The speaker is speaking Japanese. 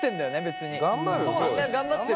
別に。